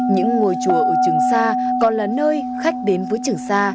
những ngôi chùa ở trường sa còn là nơi khách đến với trường sa